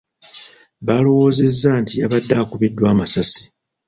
Baalowoozezza nti yabadde akubiddwa amasasi.